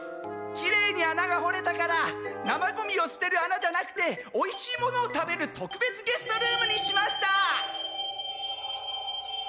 きれいに穴が掘れたから生ゴミをすてる穴じゃなくておいしいものを食べるとくべつゲストルームにしました！